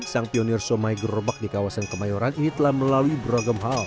sang pionir somai gerobak di kawasan kemayoran ini telah melalui beragam hal